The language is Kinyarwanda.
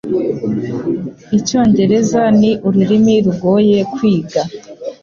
Icyongereza ni ururimi rugoye kwiga.